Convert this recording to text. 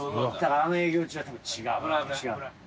あの「営業中」は多分違う。